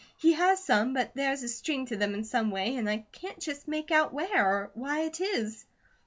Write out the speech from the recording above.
"He has some, but there is a string to them in some way, and I can't just make out where, or why it is."